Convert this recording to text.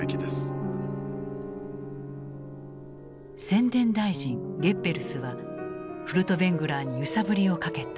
宣伝大臣ゲッベルスはフルトヴェングラーに揺さぶりをかけた。